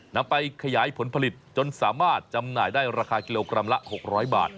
นำไปขยายผลผลิตจนสามารถจำหน่ายได้ราคากิโลกรัมละ๖๐๐บาท